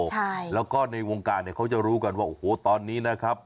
ใช่แล้วก็ในวงการเนี่ยเขาจะรู้กันว่าโอ้โหตอนนี้นะครับ